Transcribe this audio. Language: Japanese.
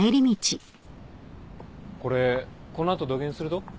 これこの後どげんすると？